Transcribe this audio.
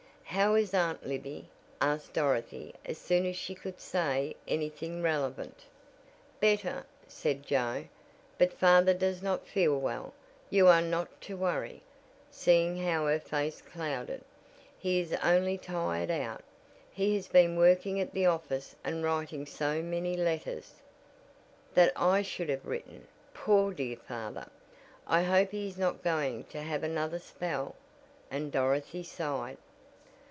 "How is Aunt Libby?" asked Dorothy as soon as she could say anything relevant. "Better," said Joe, "but father does not feel well you are not to worry " seeing how her face clouded, "he is only tired out. He has been working at the office and writing so many letters " "That I should have written. Poor dear father! I hope he is not going to have another spell," and Dorothy sighed.